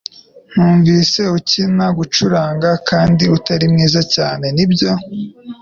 Numvise ukina gucuranga kandi utari mwiza cyane nibyo